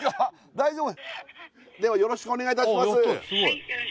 大丈夫？